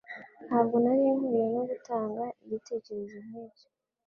Ntabwo nari nkwiye no gutanga igitekerezo nkicyo.